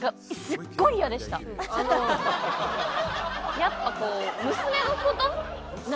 やっぱこう。